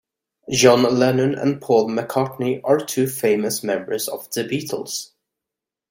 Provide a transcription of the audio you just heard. John Lennon and Paul McCartney are two famous members of the Beatles.